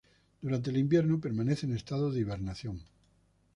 Durante el invierno permanece en estado de hibernación.